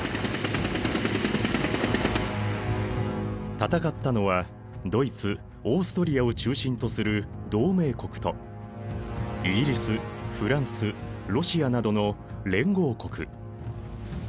戦ったのはドイツオーストリアを中心とする同盟国とイギリスフランスロシアなどの連合国。